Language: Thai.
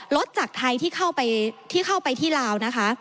รถจากไทยที่เข้าไปที่ลาวนะคะ